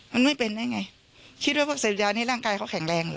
มันไม่เป็นได้ไงคิดว่าพวกเสพยาในร่างกายเขาแข็งแรงเหรอ